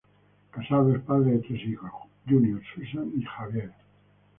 Casado, es padre de tres hijos: Junior, Susan y Javier.